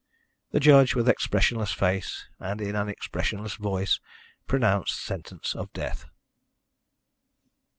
The judge, with expressionless face and in an expressionless voice, pronounced sentence of death.